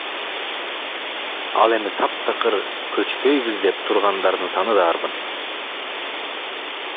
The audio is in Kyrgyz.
Ал эми таптакыр көчпөйбүз деп тургандардын саны да арбын.